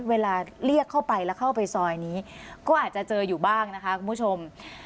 เวลาเรียกเข้าไปแล้วเข้าไปซอยนี้ก็อาจจะเจออยู่บ้างนะคะคุณผู้ชม